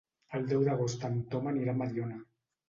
El deu d'agost en Tom anirà a Mediona.